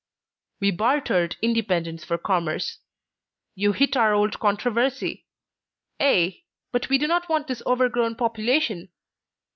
"We bartered independence for commerce. You hit our old controversy. Ay, but we do not want this overgrown population!